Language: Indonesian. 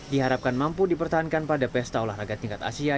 diharapkan mampu dipertahankan pada pesta olahraga tingkat asia